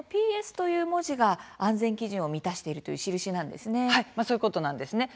ＰＳという文字が安全基準を満たしているという印なんですね。